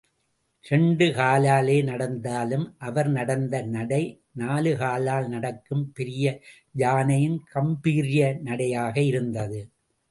இரண்டு காலாலே நடந்தாலும், அவர் நடந்த நடை நாலுகாலால் நடக்கும் பெரிய யானையின் காம்பீர்ய நடையாகயிருந்தது.